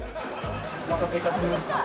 お待たせいたしました。